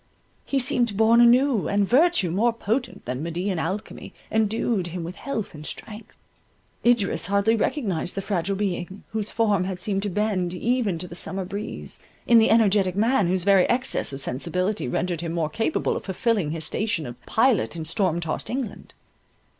He seemed born anew, and virtue, more potent than Medean alchemy, endued him with health and strength. Idris hardly recognized the fragile being, whose form had seemed to bend even to the summer breeze, in the energetic man, whose very excess of sensibility rendered him more capable of fulfilling his station of pilot in storm tossed England.